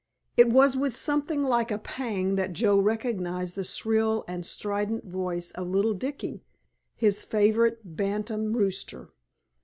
It was with something like a pang that Joe recognized the shrill and strident voice of little Dicky, his favorite bantam rooster.